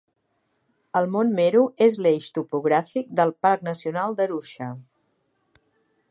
El mont Meru és l'eix topogràfic del Parc Nacional d'Arusha.